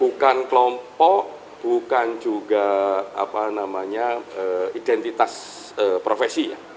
bukan kelompok bukan juga identitas profesi ya